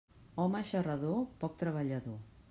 Home xarrador, poc treballador.